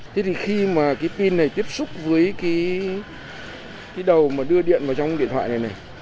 thế thì khi mà cái pin này tiếp xúc với cái đầu mà đưa điện vào trong điện thoại này này